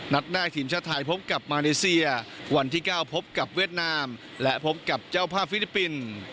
นัดแรกทีมชาติไทยพบกับมาเลเซียวันที่๙พบกับเวียดนามและพบกับเจ้าภาพฟิลิปปินส์